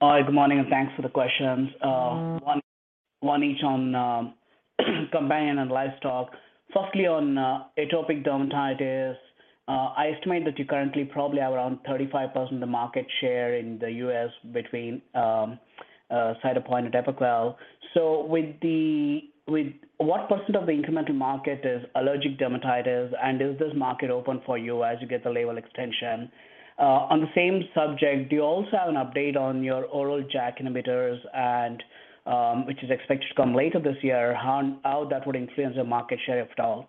Hi. Good morning, and thanks for the questions. One each on companion and livestock. Firstly, on atopic dermatitis, I estimate that you currently probably have around 35% of the market share in the U.S. between Cytopoint and Apoquel. What percent of the incremental market is allergic dermatitis, and is this market open for you as you get the label extension? On the same subject, do you also have an update on your oral JAK inhibitors and which is expected to come later this year. How that would influence your market share, if at all?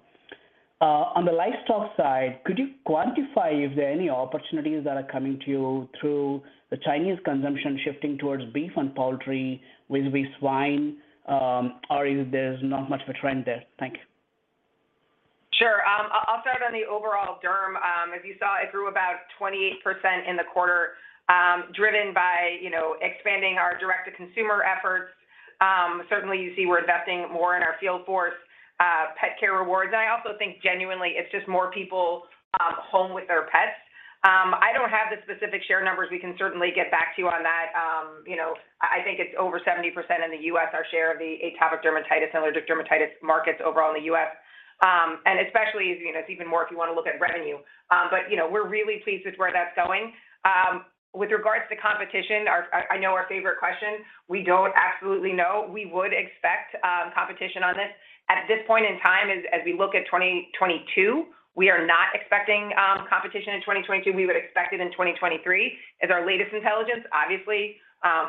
On the livestock side, could you quantify if there are any opportunities that are coming to you through the Chinese consumption shifting towards beef and poultry vis-à-vis swine, or if there's not much of a trend there? Thank you. Sure. I'll start on the overall derm. As you saw, it grew about 28% in the quarter, driven by, you know, expanding our direct-to-consumer efforts. Certainly, you see we're investing more in our field force, Zoetis Petcare Rewards. I also think genuinely it's just more people home with their pets. I don't have the specific share numbers. We can certainly get back to you on that. You know, I think it's over 70% in the U.S., our share of the atopic dermatitis and allergic dermatitis markets overall in the U.S. Especially as, you know, it's even more if you wanna look at revenue. But, you know, we're really pleased with where that's going. With regards to competition, I know our favorite question. We don't absolutely know. We would expect competition on this. At this point in time as we look at 2022, we are not expecting competition in 2022. We would expect it in 2023 is our latest intelligence. Obviously,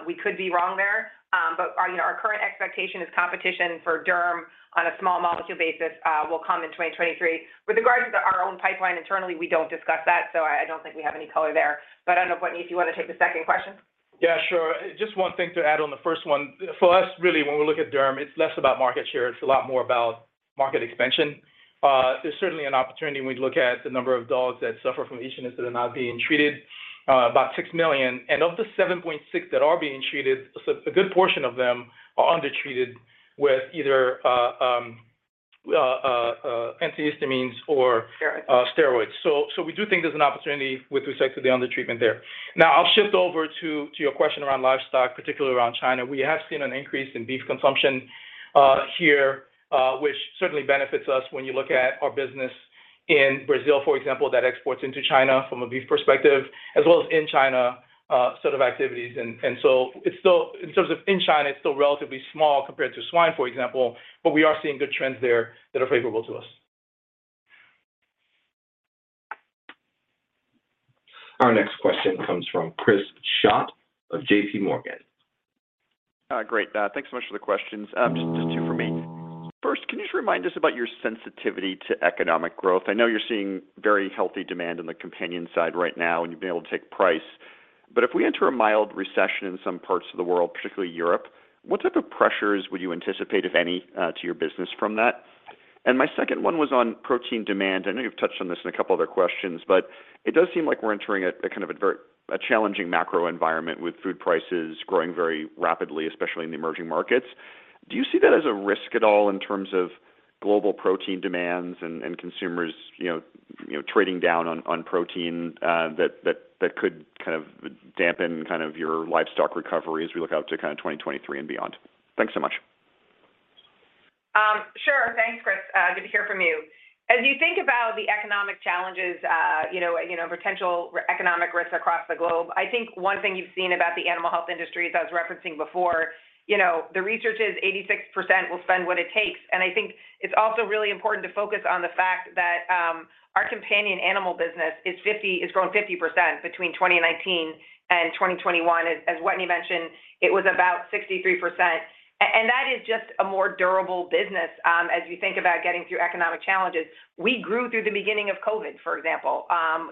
we could be wrong there. But our, you know, our current expectation is competition for derm on a small molecule basis will come in 2023. With regards to our own pipeline internally, we don't discuss that, so I don't think we have any color there. But I don't know, Wetteny, if you wanna take the second question. Yeah, sure. Just one thing to add on the first one. For us, really when we look at derm, it's less about market share, it's a lot more about market expansion. There's certainly an opportunity when you look at the number of dogs that suffer from itchiness that are not being treated, about 6 million. Of the 7.6 million that are being treated, so a good portion of them are undertreated with either antihistamines or- Steroids Steroids. We do think there's an opportunity with respect to the undertreatment there. Now, I'll shift over to your question around livestock, particularly around China. We have seen an increase in beef consumption here, which certainly benefits us when you look at our business in Brazil, for example, that exports into China from a beef perspective, as well as in China sort of activities. In terms of China, it's still relatively small compared to swine, for example, but we are seeing good trends there that are favorable to us. Our next question comes from Chris Schott of J.P. Morgan. Great. Thanks so much for the questions. Just two from me. First, can you just remind us about your sensitivity to economic growth? I know you're seeing very healthy demand on the companion side right now, and you've been able to take price. If we enter a mild recession in some parts of the world, particularly Europe, what type of pressures would you anticipate, if any, to your business from that? My second one was on protein demand. I know you've touched on this in a couple of other questions, but it does seem like we're entering a very challenging macro environment with food prices growing very rapidly, especially in the emerging markets. Do you see that as a risk at all in terms of global protein demands and consumers, you know, trading down on protein, that could kind of dampen kind of your livestock recovery as we look out to kinda 2023 and beyond? Thanks so much. Sure. Thanks, Chris. Good to hear from you. As you think about the economic challenges, you know, potential economic risks across the globe, I think one thing you've seen about the animal health industry, as I was referencing before, you know the research is 86% will spend what it takes. I think it's also really important to focus on the fact that our companion animal business it's grown 50% between 2019 and 2021. As Wetteny mentioned, it was about 63%. And that is just a more durable business, as you think about getting through economic challenges. We grew through the beginning of COVID, for example.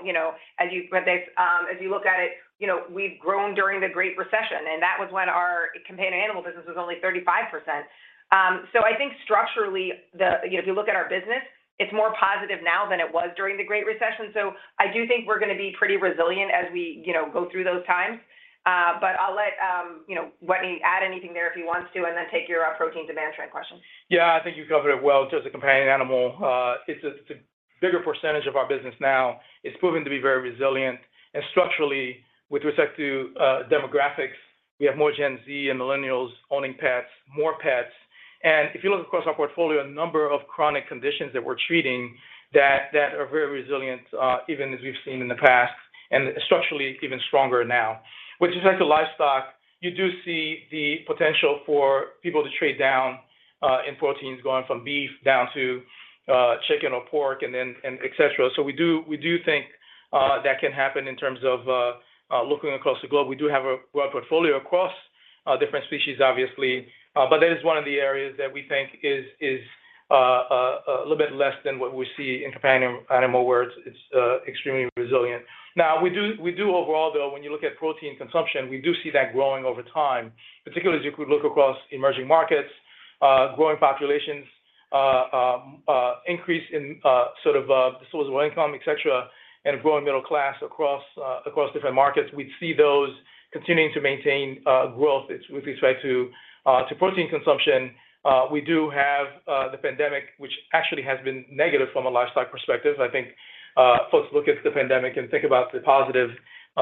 You know, as you look at it, you know, we've grown during the Great Recession, and that was when our companion animal business was only 35%. I think structurally, you know, if you look at our business, it's more positive now than it was during the Great Recession. I do think we're gonna be pretty resilient as we, you know, go through those times. I'll let Wetteny add anything there if he wants to, and then take your protein demand trend question. Yeah. I think you covered it well in terms of companion animal. It's a bigger percentage of our business now. It's proven to be very resilient. Structurally, with respect to demographics, we have more Gen Z and millennials owning pets, more pets. If you look across our portfolio, a number of chronic conditions that we're treating that are very resilient, even as we've seen in the past, and structurally even stronger now. With respect to livestock, you do see the potential for people to trade down in proteins, going from beef down to chicken or pork and et cetera. We do think that can happen in terms of looking across the globe. We have portfolio across different species obviously, but that is one of the areas that we think is a little bit less than what we see in companion animal, where it's extremely resilient. Now, we do overall though, when you look at protein consumption, we do see that growing over time, particularly as you could look across emerging markets, growing populations, increase in sort of disposable income, et cetera, and a growing middle class across different markets. We see those continuing to maintain growth with respect to protein consumption. We do have the pandemic, which actually has been negative from a livestock perspective. I think, folks look at the pandemic and think about the positive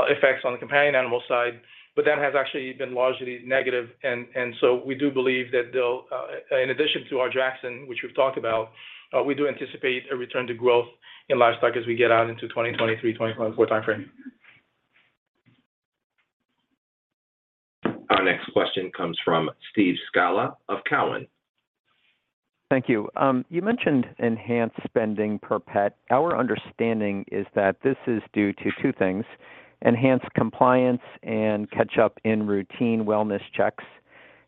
effects on the companion animal side, but that has actually been largely negative and so we do believe that they'll, in addition to our Draxxin, which we've talked about, we do anticipate a return to growth in livestock as we get out into 2023, 2024 timeframe. Our next question comes from Steve Scala of Cowen. Thank you. You mentioned enhanced spending per pet. Our understanding is that this is due to two things: enhanced compliance and catch-up in routine wellness checks.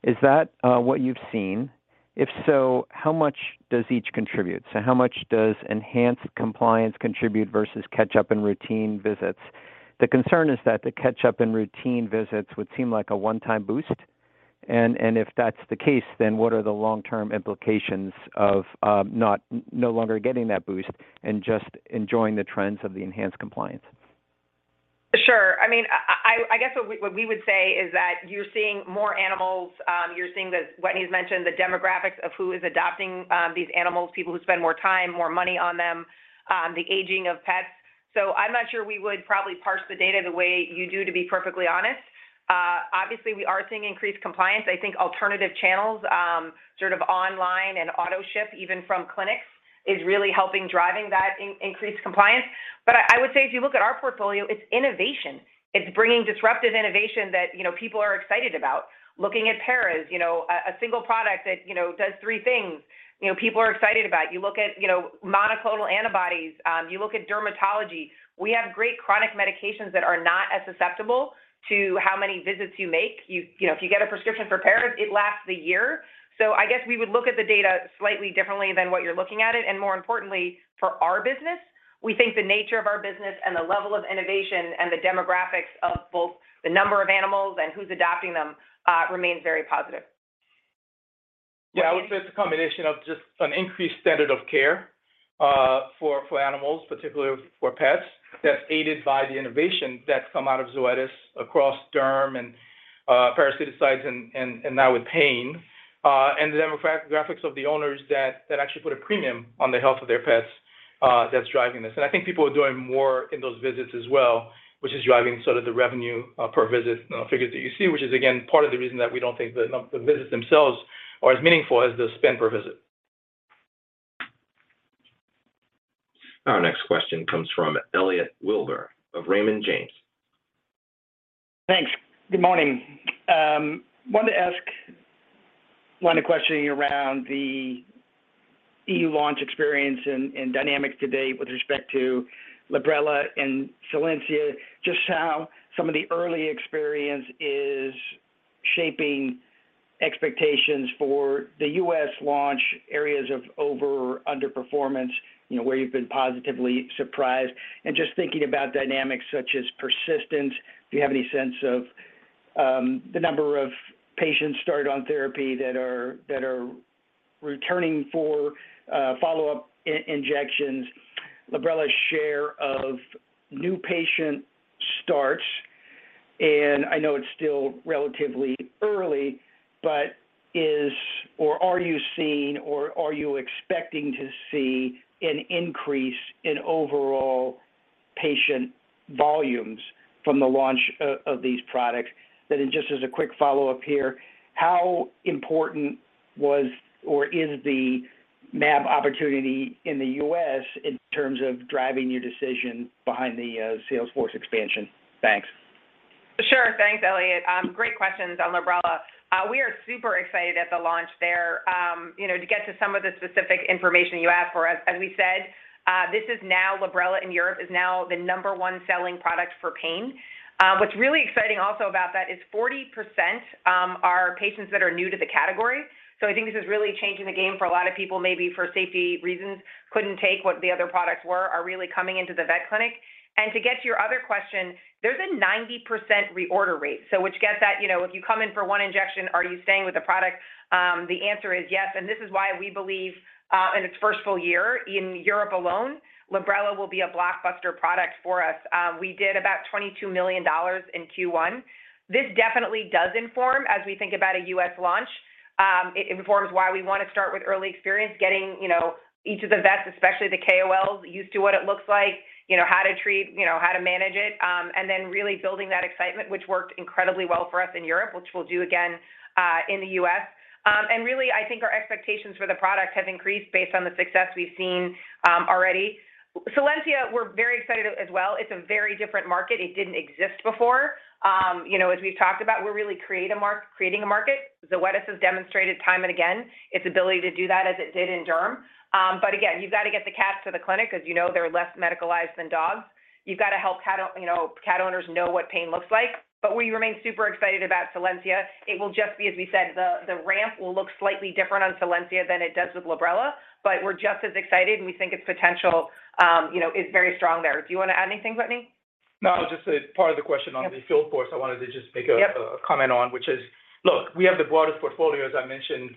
Is that what you've seen? If so, how much does each contribute? How much does enhanced compliance contribute versus catch-up and routine visits? The concern is that the catch-up and routine visits would seem like a one-time boost, and if that's the case, then what are the long-term implications of no longer getting that boost and just enjoying the trends of the enhanced compliance? Sure. I mean, I guess what we would say is that you're seeing more animals, you're seeing the, what he's mentioned, the demographics of who is adopting these animals, people who spend more time, more money on them, the aging of pets. I'm not sure we would probably parse the data the way you do, to be perfectly honest. Obviously, we are seeing increased compliance. I think alternative channels, sort of online and auto ship even from clinics is really helping driving that increased compliance. I would say if you look at our portfolio, it's innovation. It's bringing disruptive innovation that, you know, people are excited about. Looking at paras, you know, a single product that, you know, does three things, you know, people are excited about. You look at, you know, monoclonal antibodies. You look at dermatology. We have great chronic medications that are not as susceptible to how many visits you make. You know, if you get a prescription for paras, it lasts a year. So I guess we would look at the data slightly differently than what you're looking at it. More importantly, for our business, we think the nature of our business and the level of innovation and the demographics of both the number of animals and who's adopting them remains very positive. Yeah. I would say it's a combination of just an increased standard of care for animals, particularly for pets, that's aided by the innovation that's come out of Zoetis across derm and parasiticides and now with pain and the demographics of the owners that actually put a premium on the health of their pets, that's driving this. I think people are doing more in those visits as well, which is driving sort of the revenue per visit figures that you see, which is again part of the reason that we don't think the visits themselves are as meaningful as the spend per visit. Our next question comes from Elliot Wilbur of Raymond James. Thanks. Good morning. Wanted to ask one of the questions around the EU launch experience and dynamics to date with respect to Librela and Solensia, just how some of the early experience is shaping expectations for the U.S. launch areas of over or underperformance, you know, where you've been positively surprised. Just thinking about dynamics such as persistence, do you have any sense of the number of patients started on therapy that are returning for follow-up injections, Librela's share of new patient starts. I know it's still relatively early, but are you seeing or are you expecting to see an increase in overall patient volumes from the launch of these products? Just as a quick follow-up here, how important was or is the mAb opportunity in the U.S. in terms of driving your decision behind the sales force expansion? Thanks. Sure. Thanks, Elliot. Great questions on Librela. We are super excited at the launch there. You know, to get to some of the specific information you asked for, as we said, this is now Librela in Europe is now the number one selling product for pain. What's really exciting also about that is 40% are patients that are new to the category. I think this is really changing the game for a lot of people, maybe for safety reasons, couldn't take what the other products were, are really coming into the vet clinic. To get to your other question, there's a 90% reorder rate. Which gets at, you know, if you come in for one injection, are you staying with the product? The answer is yes. This is why we believe, in its first full year in Europe alone, Librela will be a blockbuster product for us. We did about $22 million in Q1. This definitely does inform as we think about a U.S. launch. It informs why we wanna start with early experience, getting, you know, each of the vets, especially the KOLs, used to what it looks like, you know, how to treat, you know, how to manage it, and then really building that excitement, which worked incredibly well for us in Europe, which we'll do again, in the U.S. Really, I think our expectations for the product have increased based on the success we've seen, already. Solensia, we're very excited as well. It's a very different market. It didn't exist before. You know, as we've talked about, we're really creating a market. Zoetis has demonstrated time and again its ability to do that, as it did in derm. Again, you've got to get the cats to the clinic because, you know, they're less medicalized than dogs. You've got to help cat owners know what pain looks like. We remain super excited about Solensia. It will just be, as we said, the ramp will look slightly different on Solensia than it does with Librela, but we're just as excited, and we think its potential, you know, is very strong there. Do you wanna add anything, Wetteny? No, just a part of the question on the field force. I wanted to just make a comment on which is, look, we have the broadest portfolio, as I mentioned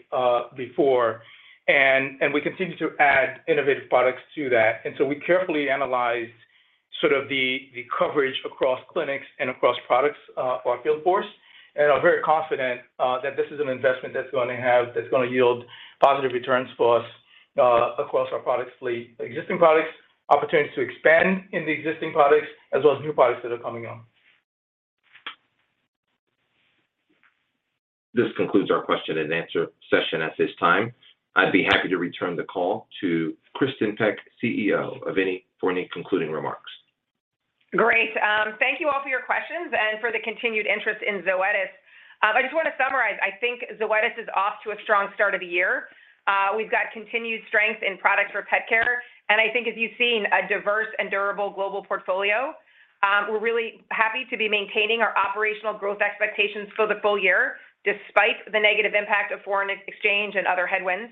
before. We continue to add innovative products to that. We carefully analyze sort of the coverage across clinics and across products for our field force. We are very confident that this is an investment that's gonna yield positive returns for us across our product fleet. Existing products, opportunities to expand in the existing products, as well as new products that are coming on. This concludes our question-and-answer session at this time. I'd be happy to return the call to Kristin Peck, CEO of Zoetis, for any concluding remarks. Great. Thank you all for your questions and for the continued interest in Zoetis. I just wanna summarize. I think Zoetis is off to a strong start of the year. We've got continued strength in products for pet care. I think as you've seen, a diverse and durable global portfolio. We're really happy to be maintaining our operational growth expectations for the full year despite the negative impact of foreign exchange and other headwinds.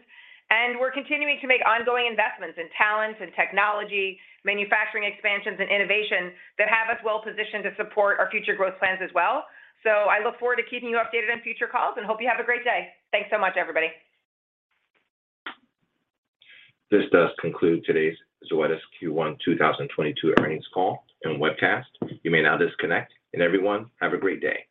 We're continuing to make ongoing investments in talent and technology, manufacturing expansions, and innovation that have us well-positioned to support our future growth plans as well. I look forward to keeping you updated on future calls and hope you have a great day. Thanks so much, everybody. This does conclude today's Zoetis Q1 2022 earnings call and webcast. You may now disconnect. Everyone, have a great day.